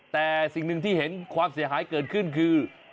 แต่สิ่งหนึ่งที่เห็นความเสียหายเกิดขึ้นคือ